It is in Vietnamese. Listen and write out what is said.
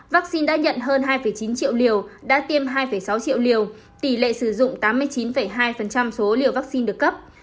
vaccine đã nhận hơn hai chín triệu liều đã tiêm hai sáu triệu liều tỷ lệ sử dụng tám mươi chín hai số liều vaccine được cấp